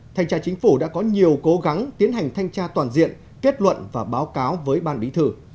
thanh tra chính phủ đã có nhiều cố gắng tiến hành thanh tra toàn diện kết luận và báo cáo với ban bí thư